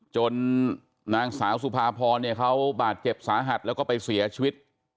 นางสาวสุภาพรเนี่ยเขาบาดเจ็บสาหัสแล้วก็ไปเสียชีวิต